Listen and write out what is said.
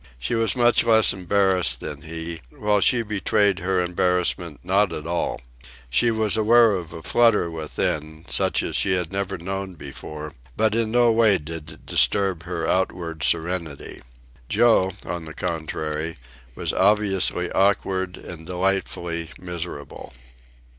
She was much less embarrassed than he, while she betrayed her embarrassment not at all. She was aware of a flutter within, such as she had never known before, but in no way did it disturb her outward serenity. Joe, on the contrary, was obviously awkward and delightfully miserable.